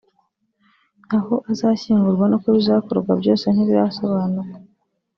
aho azashyingurwa n’uko bizakorwa byose ntibirasobanuka